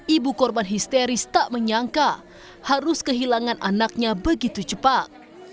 ibu korban histeris tak menyangka harus kehilangan anaknya begitu cepat